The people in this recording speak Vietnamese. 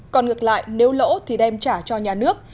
còn ngược lại nếu lỗ thì đem trả cho nhà nước